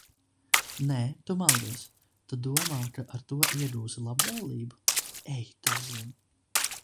Nē, tu maldies. Tu domā, ka ar to iegūsi labvēlību? Ej tu zini...